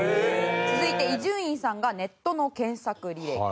続いて伊集院さんがネットの検索履歴。